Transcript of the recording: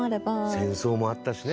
戦争もあったしね